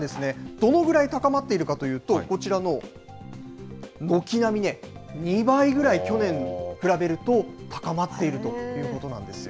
どのぐらい高まっているかというと、こちらの、軒並みね、２倍ぐらい、去年に比べると高まっているということなんですよ。